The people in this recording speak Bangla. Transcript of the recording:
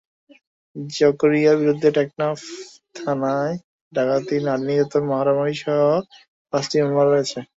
জকরিয়ার বিরুদ্ধে টেকনাফ থানায় ডাকাতি, নারী নির্যাতন, মারামারিসহ পাঁচটি মামলা রয়েছে।